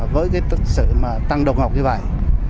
với cái sự tăng độc ngộ như vậy